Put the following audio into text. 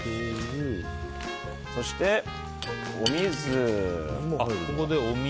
そして、お水。